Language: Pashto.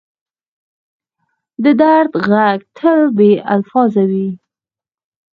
د درد ږغ تل بې الفاظه وي.